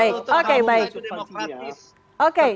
tertutup terbuka itu demokratis